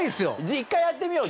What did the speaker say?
１回やってみよう。